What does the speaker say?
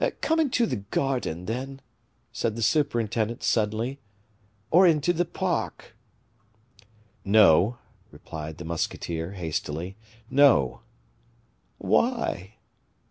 "Come into the garden, then," said the superintendent suddenly, "or into the park." "No," replied the musketeer, hastily, "no." "Why?"